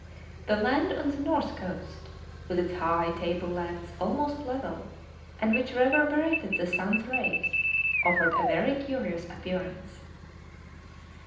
The land on the north coast, with its high table lands almost level, and which reverberated the sun's rays, offered a very curious appearance.